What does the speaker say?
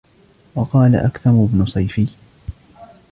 وَقَالَ أَكْثَمُ بْنُ صَيْفِيٍّ